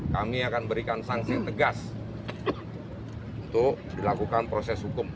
kami akan berikan sanksi tegas untuk dilakukan proses hukum